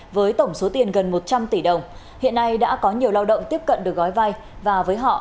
với tổng số tiền gần một trăm linh tỷ đồng hiện nay đã có nhiều lao động tiếp cận được gói vay và với họ